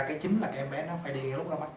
cái chính là cái em bé nó phải đi ngay lúc nó mất